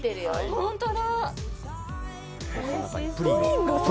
本当だ。